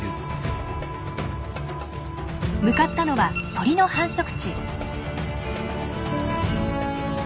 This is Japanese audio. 向かったのは鳥の繁殖地。